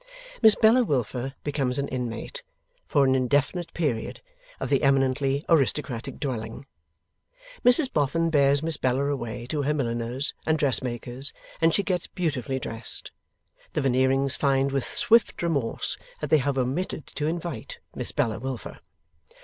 Miss Bella Wilfer becomes an inmate, for an indefinite period, of the eminently aristocratic dwelling. Mrs Boffin bears Miss Bella away to her Milliner's and Dressmaker's, and she gets beautifully dressed. The Veneerings find with swift remorse that they have omitted to invite Miss Bella Wilfer.